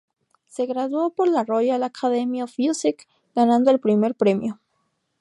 Se graduó por la Royal Academy of Music, ganando el primer premio.